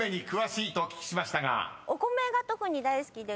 お米が特に大好きで。